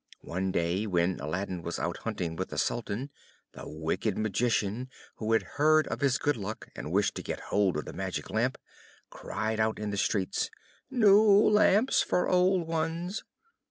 One day, when Aladdin was out hunting with the Sultan, the wicked Magician, who had heard of his good luck, and wished to get hold of the Magic Lamp, cried out in the streets, "New lamps for old ones!"